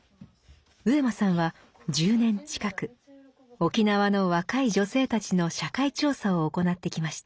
上間さんは１０年近く沖縄の若い女性たちの社会調査を行ってきました。